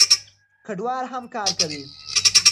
کډوال هم کار کوي.